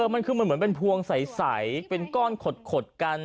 มันคือมันเหมือนเป็นพวงใสเป็นก้อนขดกัน